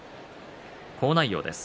好内容です。